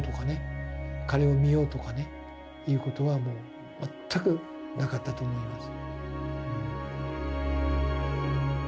彼を見ようとかねいうことはもう全くなかったと思います。